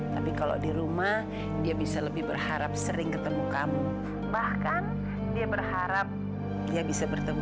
tapi kalau di rumah dia bisa lebih berharap sering ketemu kamu bahkan dia berharap dia bisa bertemu